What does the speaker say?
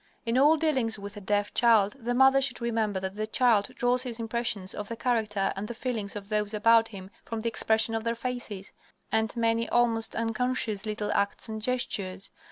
In all dealings with a deaf child the mother should remember that the child draws his impressions of the character and the feelings of those about him from the expression of their faces, and many almost unconscious little acts and gestures.